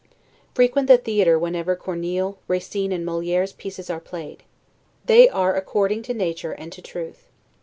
Frequent the theatre whenever Corneille, Racine, and Moliere's pieces are played. They are according to nature and to truth.